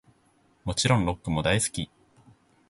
もちろんロックも大好き♡